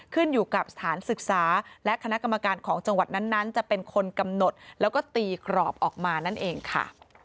ขึ้นอยู่กับสถานศึกษาและคณะกรรมการของจังหวัดนั้นจะเป็นคนกำหนดแล้วก็ตีกรอบออกมานั่นเองค่ะ